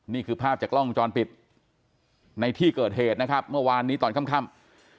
นี่คือภาพจากกล้องวงจรปิดในที่เกิดเหตุนะครับเมื่อวานนี้ตอนค่ำ